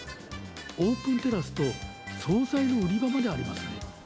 オープンテラスと総菜の売り場までありますよ。